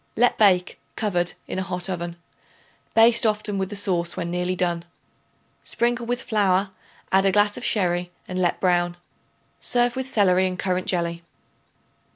Let bake, covered, in a hot oven. Baste often with the sauce when nearly done. Sprinkle with flour; add a glass of sherry and let brown. Serve with celery and currant jelly.